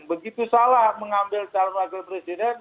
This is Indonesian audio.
begitu salah mengambil calon wakil presiden